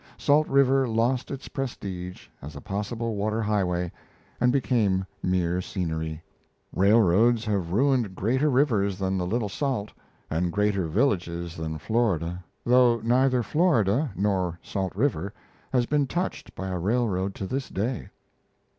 Salt River lost its prestige as a possible water highway and became mere scenery. Railroads have ruined greater rivers than the Little Salt, and greater villages than Florida, though neither Florida nor Salt River has been touched by a railroad to this day.